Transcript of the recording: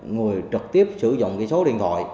người trực tiếp sử dụng số điện thoại